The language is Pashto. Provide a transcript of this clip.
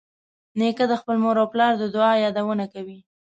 نیکه د خپلې مور او پلار د دعا یادونه کوي.